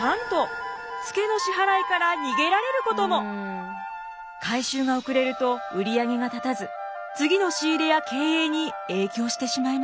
なんと回収が遅れると売上が立たず次の仕入れや経営に影響してしまいます。